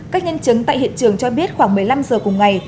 các nhân chứng tại hiện trường cho biết khoảng một mươi năm giờ cùng ngày